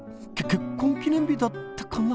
結婚記念日だったかな？